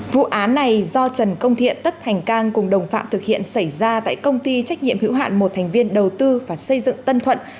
vụ án này do trần công thiện tất thành cang cùng đồng phạm thực hiện xảy ra tại công ty trách nhiệm hữu hạn một thành viên đầu tư và xây dựng tân thuận